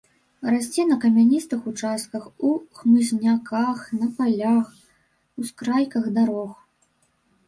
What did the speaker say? Расце на камяністых участках, у хмызняках, на палях, ускрайках дарог.